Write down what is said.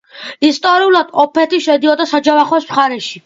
ისტორიულად ოფეთი შედიოდა საჯავახოს მხარეში.